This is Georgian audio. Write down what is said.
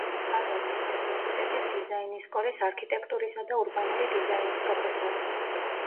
ჰარვარდის უნივერსიტეტის დიზაინის სკოლის არქიტექტურისა და ურბანული დიზაინის პროფესორი.